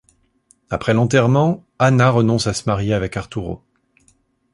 Après l'enterrement, Ana renonce à se marier avec Arturo.